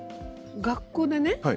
学校でね